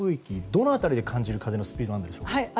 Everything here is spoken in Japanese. どの辺りで感じる風のスピードなんでしょうか？